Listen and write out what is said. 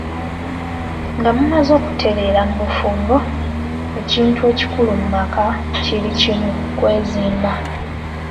"Nga mumaze okutereera mu bufumbo, ekintu ekikulu mu maka kiri kimu kwezimba."